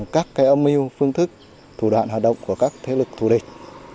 các cái âm mưu phương thức thủ đoạn hoạt động của các thế lực thù địch